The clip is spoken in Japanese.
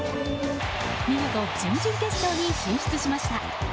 見事、準々決勝に進出しました。